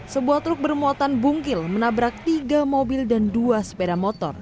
sebuah truk bermuatan bungkil menabrak tiga mobil dan dua sepeda motor